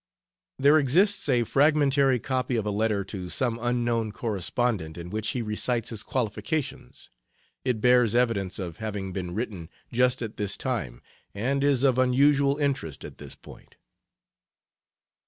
There exists a fragmentary copy of a letter to some unknown correspondent, in which he recites his qualifications. It bears evidence of having been written just at this time and is of unusual interest at this point.